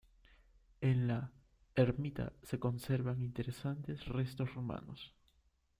En La Ermita se conservan interesantes restos romanos.